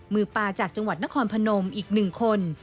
มือปลาจากจังหวัดนครพนมอีก๑คน